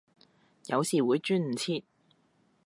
有時會轉唔切